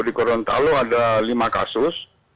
di gorontalo ada lima kasus